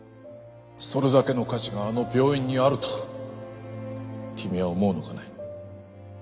それだけの価値があの病院にあると君は思うのかね？